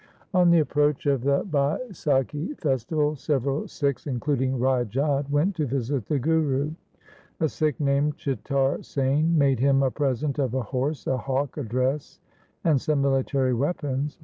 On the approach of the Baisakhi festival several Sikhs, including Rai Jodh, went to visit the Guru. A Sikh named Chitar Sain made him a present of a horse, a hawk, a dress, and some military weapons.